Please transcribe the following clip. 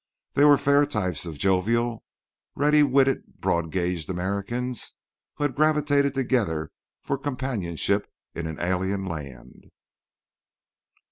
They were fair types of jovial, ready witted, broad gauged Americans who had gravitated together for companionship in an alien land.